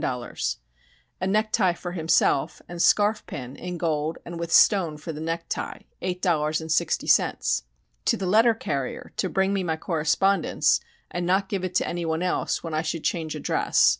00 A necktie for himself and scarf pin in gold and with stone for the necktie ...$ 8.60 To the letter carrier to bring me my correspondence and not give it to any one else when I should change address